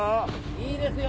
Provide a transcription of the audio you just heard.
いいですよ！